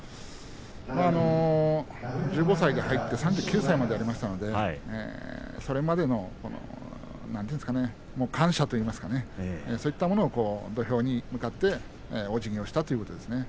まあ１５歳で入って３９歳までやりましたんでそれまでの感謝といいますかねそういったものを土俵に向かっておじぎをしたということですね。